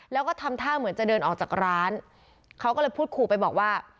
แล้วก็ทำท่าเหมือนจะเดินออกจากร้านเขาก็เลยพูดขู่ไปบอกว่า